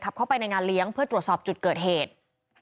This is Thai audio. เข้าไปในงานเลี้ยงเพื่อตรวจสอบจุดเกิดเหตุ